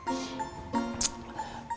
iya ibu puputnya kan baik mak apalagi sama anak anak